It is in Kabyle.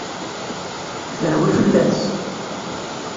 Terwi fell-as!